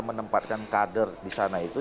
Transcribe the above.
menempatkan kader disana itu